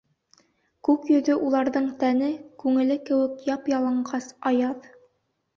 Күк йөҙө уларҙың тәне, күңеле кеүек яп-яланғас, аяҙ.